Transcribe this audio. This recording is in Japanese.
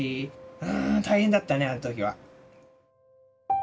うん大変だったねあの時は。